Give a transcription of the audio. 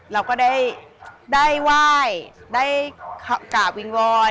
เราก็ได้ไหว้ได้กราบวิงวอน